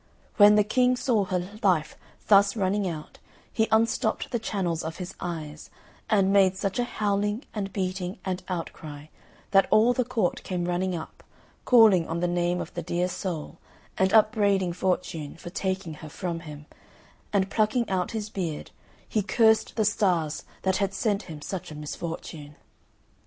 When the King saw her life thus running out he unstopped the channels of his eyes, and made such a howling and beating and outcry that all the Court came running up, calling on the name of the dear soul, and upbraiding Fortune for taking her from him, and plucking out his beard, he cursed the stars that had sent him such a misfortune.